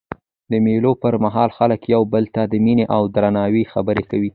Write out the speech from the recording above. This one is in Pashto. د مېلو پر مهال خلک یو بل ته د میني او درناوي خبري کوي.